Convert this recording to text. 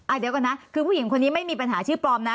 เดี๋ยวก่อนนะคือผู้หญิงคนนี้ไม่มีปัญหาชื่อปลอมนะ